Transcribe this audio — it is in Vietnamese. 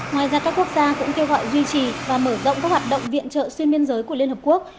ngoài ra các quốc gia cũng kêu gọi duy trì và mở rộng các hoạt động viện trợ xuyên biên giới của liên hợp quốc